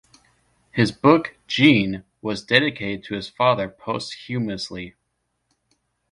His book "Gene" was dedicated to his father post-humously.